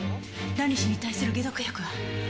ラニシンに対する解毒薬は？